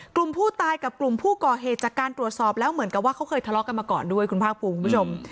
กลุ่มผู้ตายกับกลุ่มผู้ก่อเหตุจากการตรวจสอบแล้วเหมือนกับว่าเขาเคยทะเลาะกันมาก่อนด้วยคุณภาคภูมิคุณผู้ชม